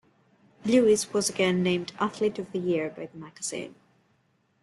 Lewis was again named Athlete of the Year by the magazine.